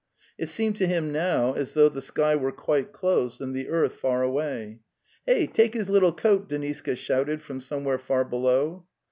It seemed to him now as though the sky were quite close and the earth far away. "Hey, take his little coat!'' Deniska shouted from somewhere far below.